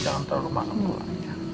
jangan terlalu malam